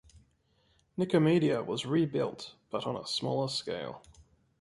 Nicomedia was rebuilt, but on a smaller scale.